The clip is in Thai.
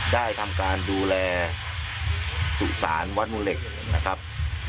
ได้ทำการดูแลสุสานวัดมูเหล็กนะครับ